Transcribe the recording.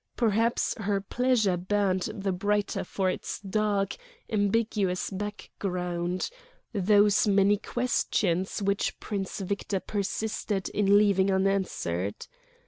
Perhaps her pleasure burned the brighter for its dark, ambiguous background—those many questions which Prince Victor persisted in leaving unanswered.